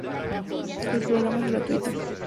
El programa es gratuito.